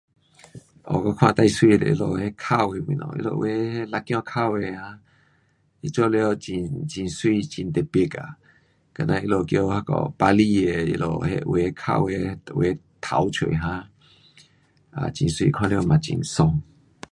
有我看最美的就是他们那挖的东西。他们有的辣子挖的啊他做了很，很美，很特别呀。干那他们叫那下 bali 的他们那位挖的有的头出哈，哈很美看了嘛很爽。